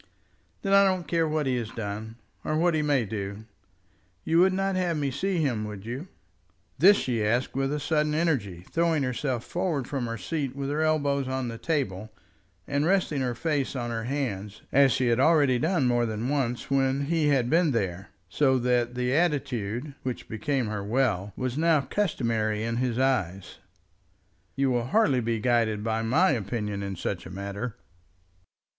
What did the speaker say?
"Then I don't care what he has done, or what he may do. You would not have me see him, would you?" This she asked with a sudden energy, throwing herself forward from her seat with her elbows on the table, and resting her face on her hands, as she had already done more than once when he had been there; so that the attitude, which became her well, was now customary in his eyes. "You will hardly be guided by my opinion in such a matter."